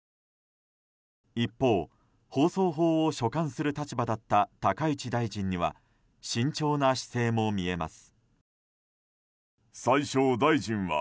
一方、放送法を所管する立場だった高市大臣には慎重な姿勢も見えます。